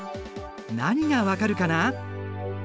何が分かるかな？